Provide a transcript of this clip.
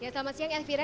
selamat siang elvira